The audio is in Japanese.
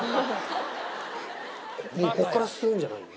こっから吸うんじゃないの？